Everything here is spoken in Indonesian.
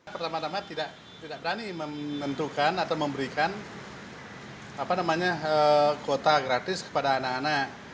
pertama tama tidak berani menentukan atau memberikan kuota gratis kepada anak anak